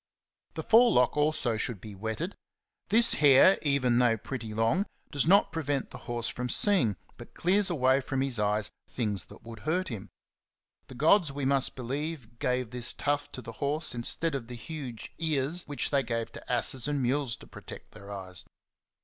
The forelock also should be wetted ; this hair, even though pretty long, does not prevent the horse from seeing, but clears away from his eyes things that would hurt them. The gods, we must believe, gave this tuft to the horse instead of the huge ears which the}^ gave to asses and mules to protect their eyes.